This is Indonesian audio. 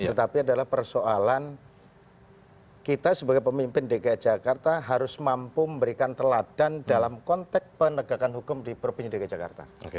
tetapi adalah persoalan kita sebagai pemimpin dki jakarta harus mampu memberikan teladan dalam konteks penegakan hukum di provinsi dki jakarta